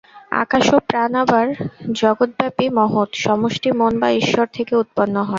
আকাশ ও প্রাণ আবার জগদ্ব্যপী মহৎ, সমষ্টি মন বা ঈশ্বর থেকে উৎপন্ন হয়।